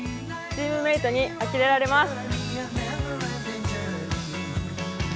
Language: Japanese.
チームメートにあきれられます。